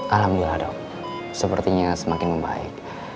alhamdulillah dong sepertinya semakin membaik